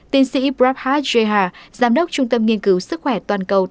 tin sĩ prabhat jha giám đốc trung tâm nghiên cứu sức khỏe toàn cầu